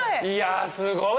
えすごい！